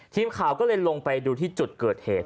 ทีมข่าวก็เลยลงไปดูที่จุดเกิดเหตุ